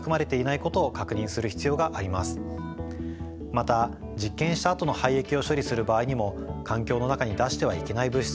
また実験したあとの廃液を処理する場合にも環境の中に出してはいけない物質